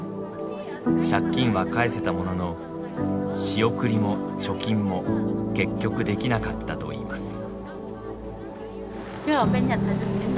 借金は返せたものの仕送りも貯金も結局できなかったといいます。